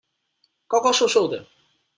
高高瘦瘦的